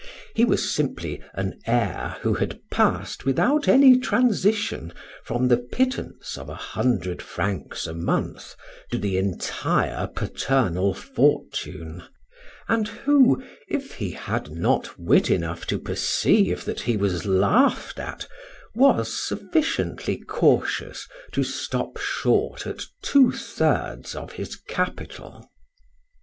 He was simply an heir who had passed without any transition from his pittance of a hundred francs a month to the entire paternal fortune, and who, if he had not wit enough to perceive that he was laughed at, was sufficiently cautious to stop short at two thirds of his capital.